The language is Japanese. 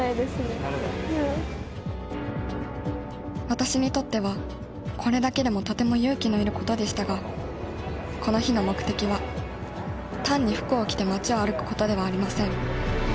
私にとってはこれだけでもとても勇気のいることでしたがこの日の目的は単に服を着て街を歩くことではありません。